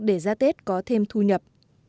để ra tết có thêm thu nhập